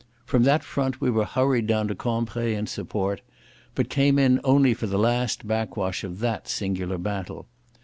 From that front we were hurried down to Cambrai in support, but came in only for the last backwash of that singular battle.